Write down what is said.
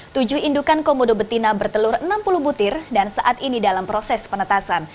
tujuh indukan komodo betina bertelur enam puluh butir dan saat ini dalam proses penetasan